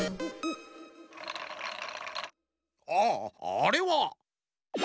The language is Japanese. ああれは。